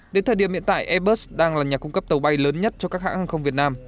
đến thời điểm hiện tại airbus đang là nhà cung cấp tàu bay lớn nhất cho các hãng hàng không việt nam